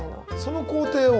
その工程を？